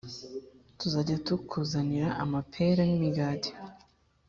Tuzajya tukuzanira amapera n’imigati.